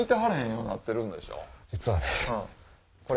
実はね。